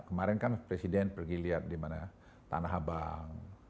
kemarin kan presiden pergi lihat di mana tanah abang